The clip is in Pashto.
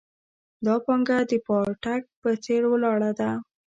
دا پانګه د پاټک په څېر ولاړه ده.